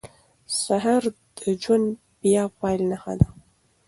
سهار د ژوند د بیا پیل نښه ده.